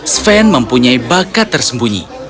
sven mempunyai bakat tersembunyi